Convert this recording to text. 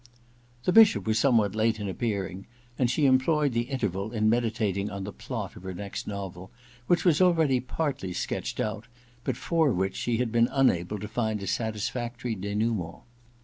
The Bishop was somewhat late in appearing, and she employed the interval in meditating on the plot of^ her next novel, which was already partly sketched out, but for which she had been unable to find a satisfactory denouement.